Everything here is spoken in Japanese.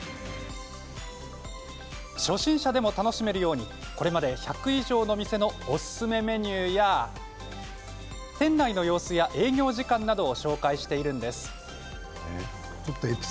初心者でも楽しめるようにこれまで１００以上の店のおすすめメニューや店内の様子や営業時間などを紹介しているんです。